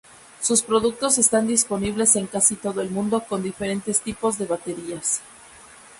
Sus productos están disponibles en casi todo el mundo con diferentes tipos de baterías.